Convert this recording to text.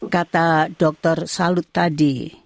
kata dokter salut tadi